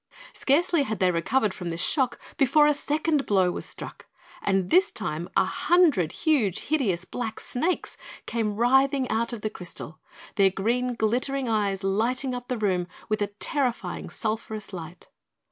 Scarcely had they recovered from this shock before a second blow was struck, and this time a hundred huge, hideous, black snakes came writhing out of the crystal, their green glittering eyes lighting up the room with a terrifying sulphurous light.